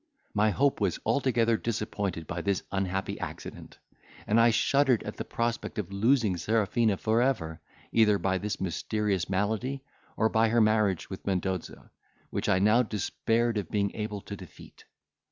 "My hope was altogether disappointed by this unhappy accident; and I shuddered at the prospect of losing Serafina for ever, either by this mysterious malady, or by her marriage with Mendoza, which I now despaired of being able to defeat.